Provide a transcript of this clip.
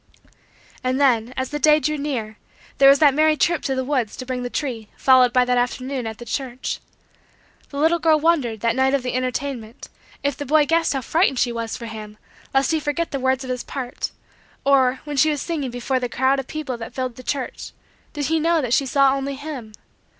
And then, as the day drew near, there was that merry trip to the woods to bring the tree, followed by that afternoon at the church. The little girl wondered, that night of the entertainment, if the boy guessed how frightened she was for him lest he forget the words of his part; or, when she was singing before the crowd of people that filled the church, did he know that she saw only him?